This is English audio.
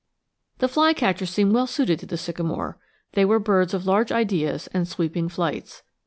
The flycatchers seemed well suited to the sycamore; they were birds of large ideas and sweeping flights.